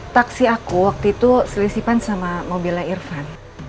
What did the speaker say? taksi aku waktu itu selisipan sama mobilnya irfan